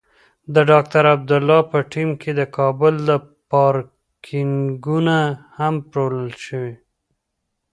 د ډاکټر عبدالله په ټیم کې د کابل پارکېنګونه هم پلورل شوي.